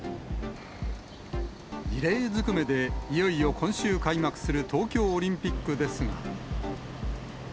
異例ずくめで、いよいよ今週開幕する東京オリンピックですが。